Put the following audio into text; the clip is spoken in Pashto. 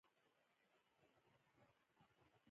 دا د لیاقت او پوهې له مخې اخلي.